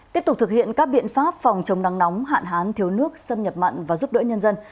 tiếp tục thực hiện các biện pháp phòng chống nắng nóng hạn hán thiếu nước xâm nhập mặn và giúp đỡ nhân dân